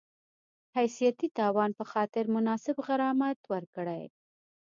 حیثیتي تاوان په خاطر مناسب غرامت ورکړي